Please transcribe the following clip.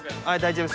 はい。